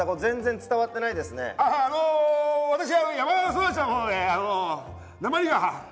あの私山育ちなものでなまりが。